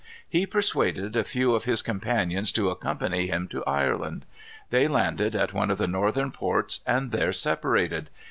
He persuaded a few of his companions to accompany him to Ireland. They landed at one of the northern ports and there separated.